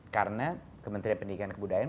karena kementerian pendidikan kebudayaan